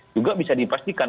juga bisa dipastikan